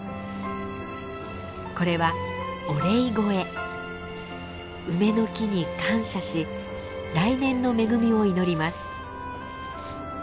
これは梅の木に感謝し来年の恵みを祈ります。